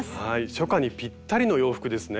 初夏にぴったりの洋服ですね。